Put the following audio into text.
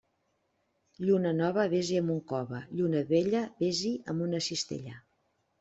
Lluna nova, vés-hi amb un cove; lluna vella, vés-hi amb una cistella.